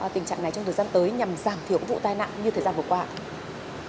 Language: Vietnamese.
tình trạng này trong thời gian tới nhằm giảm thiểu vụ tai nạn như thời gian vừa qua ạ